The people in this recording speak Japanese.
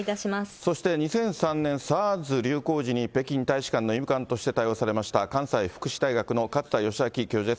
そして、２００３年、ＳＡＲＳ流行時に北京大使館の医務官として対応されました関西福祉大学の勝田世彰教授です。